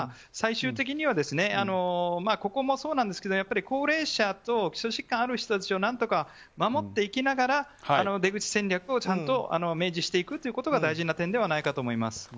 最終的にはここもそうなんですが高齢者と基礎疾患がある人たちを何とか守っていきながら出口戦略をちゃんと明示していくことが大事な点ではないかと思います。